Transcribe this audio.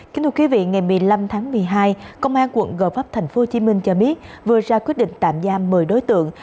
kính thưa quý vị ngày một mươi năm tháng một mươi hai công an quận gò vấp tp hcm cho biết vừa ra quyết định tạm giam một mươi đối tượng